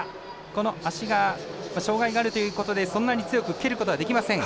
この足が障がいがあるということでそんなに強く蹴ることができません。